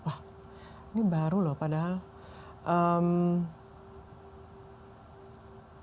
wah ini baru loh padahal